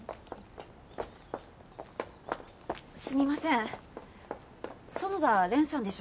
すみません園田蓮さんでしょうか？